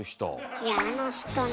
いやあの人ね